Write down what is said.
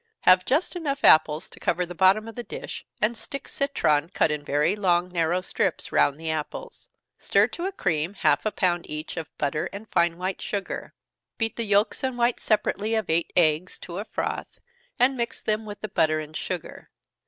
Have just enough apples to cover the bottom of the dish, and stick citron, cut in very long narrow strips, round the apples. Stir to a cream half a pound each of butter and fine white sugar beat the yelks and whites separately, of eight eggs, to a froth, and mix them with the butter and sugar.